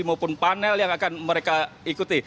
maupun panel yang akan mereka ikuti